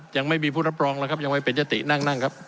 ยังไม่มีผู้รับรองแล้วครับยังไม่เป็นยตินั่งนั่งครับ